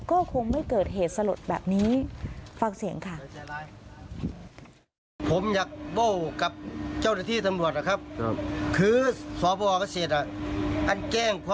ก็คงไม่เกิดเหตุสลดแบบนี้ฟังเสียงค่ะ